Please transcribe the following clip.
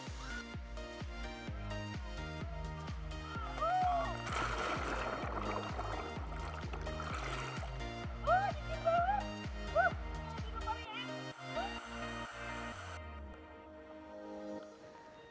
oh di sini